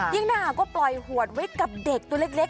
ยิ่งหน้าก็ปล่อยหวดไว้กับเด็กตัวเล็ก